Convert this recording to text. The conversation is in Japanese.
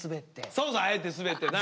そうそうあえてスベってな。